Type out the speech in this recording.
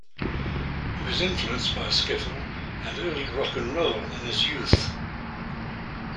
He was influenced by skiffle and early rock and roll in his youth.